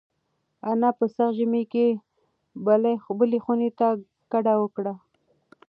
انا په سخت ژمي کې بلې خونې ته کډه وکړه.